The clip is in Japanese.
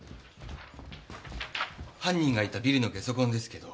犯人がいたビルのゲソ痕ですけど。